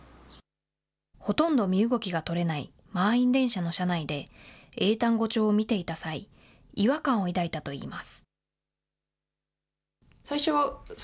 ほとんど身動きが取れない満員電車の車内で英単語帳を見ていた際、違和感を抱いたといいます。